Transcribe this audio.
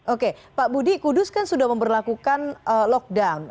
oke pak budi kudus kan sudah memperlakukan lockdown